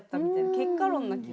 結果論な気が。